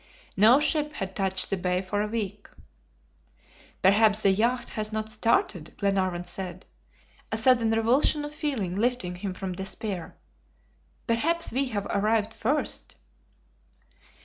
No ship had touched the bay for a week. "Perhaps the yacht has not started," Glenarvan said, a sudden revulsion of feeling lifting him from despair. "Perhaps we have arrived first."